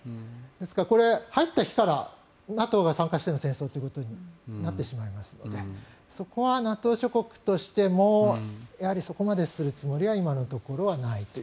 ですから、これ、入った日からＮＡＴＯが参加しての戦争になるわけなのでそこはＮＡＴＯ諸国としてもそこまでするつもりは今のところはないと。